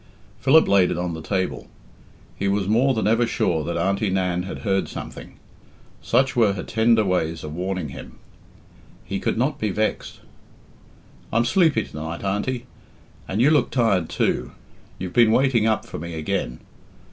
Philip laid it on the table. He was more than ever sure that Auntie Nan had heard something. Such were her tender ways of warning him. He could not be vexed. "I'm sleepy to night, Auntie, and you look tired too. You've been waiting up for me again.